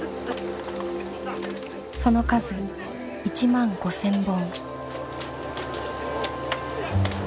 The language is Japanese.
その数１万５，０００本。